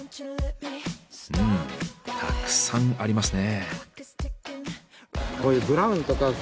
うんたくさんありますね。